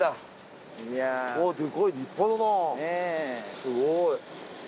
すごい。